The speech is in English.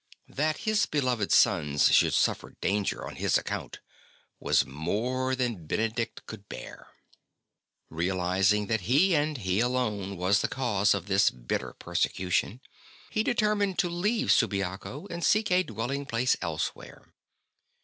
That his beloved sons should suffer danger on his account was more than Benedict could 4 50 ST. BENEDICT bear. Realizing that he and he alone was the cause of this bitter persecution, he de termined to leave Subiaco and seek a dwelling place elsewhere.